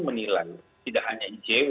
menilai tidak hanya icw